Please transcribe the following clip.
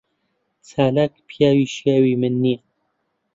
چالاک پیاوی شیاوی من نییە.